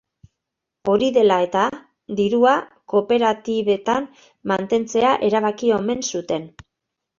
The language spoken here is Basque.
Hori dela eta, dirua kooperatibetan mantentzea erabaki omen zuten.